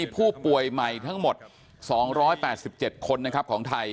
ผู้ป่วยใหม่๒๘๗คนของไทย